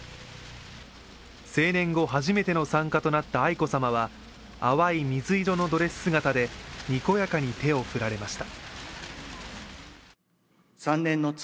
成年後初めての参加となった愛子さまは、淡い水色のドレス姿で、にこやかに手を振られました。